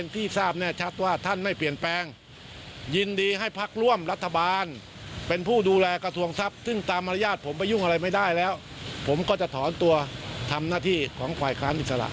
แต่วันนี้ถ้าไม่อยู่แล้วผมจะไปทำงานไง